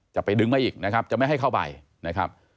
จะไปดึงมาอีกจะไม่ให้เข้าไป